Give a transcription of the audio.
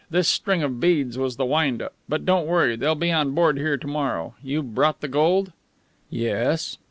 This string of beads was the wind up. But don't worry. They'll be on board here to morrow. You brought the gold?" "Yes."